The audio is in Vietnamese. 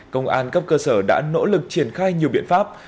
công an cấp cơ sở đã nỗ lực triển khai nhiều biện pháp